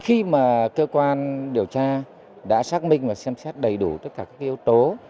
khi mà cơ quan điều tra đã xác minh và xem xét đầy đủ tất cả các yếu tố